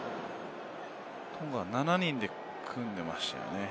トンガは７人で組んでましたよね。